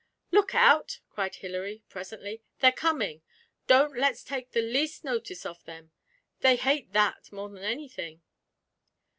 'Look out!' cried Hilary, presently; 'they're coming. Don't let's take the least notice of them. They hate that more than anything.'